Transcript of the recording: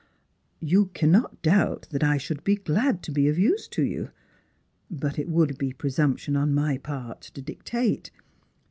" You cannot doubt that I should be glad to be of use to you. But it would be presumption on my part to dictate.